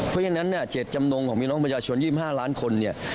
เพราะฉะนั้นเจตจำนงของพี่น้องประชาชน๒๕ล้านคน